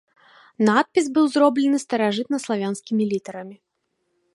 Надпіс быў зроблены старажытнаславянскімі літарамі.